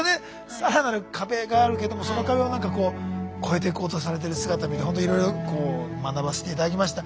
さらなる壁があるけどもその壁を何かこう越えていこうとされてる姿見てほんといろいろ学ばせて頂きました。